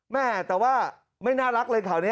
แม่แต่ว่าไม่น่ารักเลยข่าวนี้